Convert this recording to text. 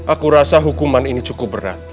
aku rasa hukuman ini cukup berat